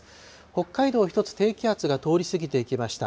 北海道１つ低気圧が通り過ぎていきました。